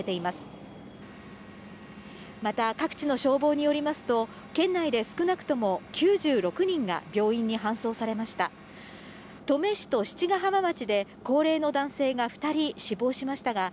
また、各地の消防によりますと、県内で少なくとも９６人が病院に搬送されました。